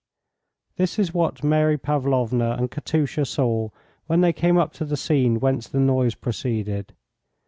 This is what Mary Pavlovna and Katusha saw when they came up to the scene whence the noise proceeded.